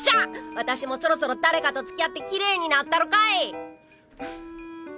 私もそろそろ誰かと付き合ってキレイになったろかい！